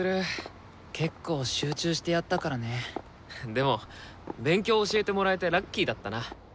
でも勉強教えてもらえてラッキーだったな。